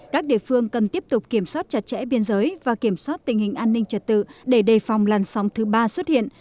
các địa phương cần tiếp tục kiểm soát chặt chẽ biên giới và kiểm soát tình hình an ninh trật tự để đề phòng làn sóng thứ ba xuất hiện